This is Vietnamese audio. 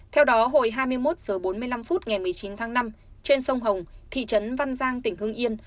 theo đó hồi hai mươi một h bốn mươi năm phút ngày một mươi chín tháng năm trên sông hồng thị trấn văn giang tỉnh hưng yên